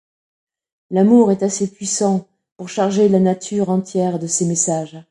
L'amour est assez puissant pour charger la nature entière de ses messages.